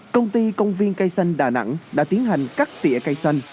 công ty công viên cây xanh đà nẵng đã tiến hành cắt tỉa cây xanh